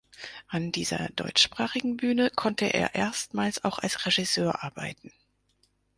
An dieser deutschsprachigen Bühne konnte er erstmals auch als Regisseur arbeiten.